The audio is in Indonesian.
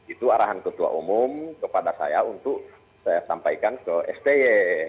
itu arahan ketua umum kepada saya untuk saya sampaikan ke sti